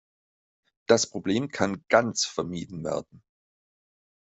Das Problem kann ganz vermieden werden.